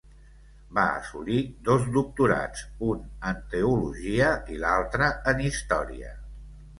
Va assolir dos doctorats, un en teologia i l'altre en història.